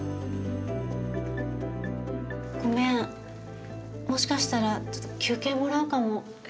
ごめん、もしかしたらちょっと休憩もらうかも。